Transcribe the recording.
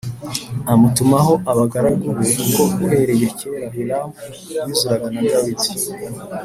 amutumaho abagaragu be kuko uhereye kera Hiramu yuzuraga na Dawidi